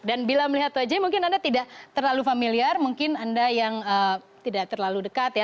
dan bila melihat wajahnya mungkin anda tidak terlalu familiar mungkin anda yang tidak terlalu dekat ya